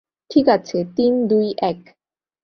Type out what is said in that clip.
ঠিক আছে, তিন, দুই, এক।